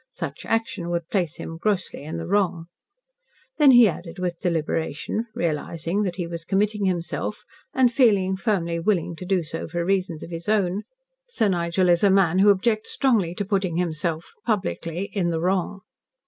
Such action would place him grossly in the wrong." Then he added with deliberation, realising that he was committing himself, and feeling firmly willing to do so for reasons of his own, "Sir Nigel is a man who objects strongly to putting himself publicly in the wrong."